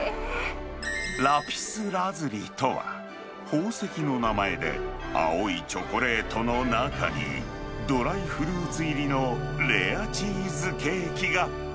ラピスラズリとは、宝石の名前で、青いチョコレートの中に、ドライフルーツ入りのレアチーズケーキが。